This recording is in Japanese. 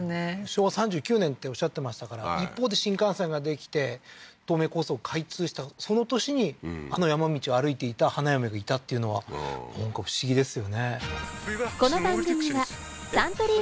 昭和３９年っておっしゃってましたから一方で新幹線が出来て東名高速開通したその年にあの山道を歩いていた花嫁がいたっていうのはなんか不思議ですよね